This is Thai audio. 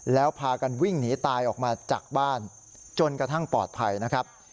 แล้วพากันวิ่งหนีตายออกมาจากบ้านจนกระทั่งปลอดภัยนะครับ